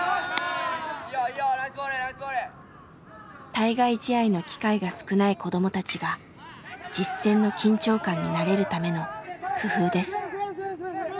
対外試合の機会が少ない子供たちが実戦の緊張感に慣れるための工夫です。